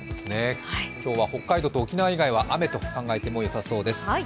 今日は北海道と沖縄以外は雨と考えてよさそうです。